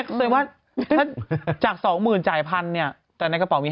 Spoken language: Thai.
ถ้าจาก๒๐๐๐๐จาก๑๐๐๐เนี่ยแต่ในกระเป๋ามี๕๐๐